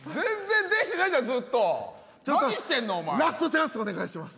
ラストチャンスお願いします。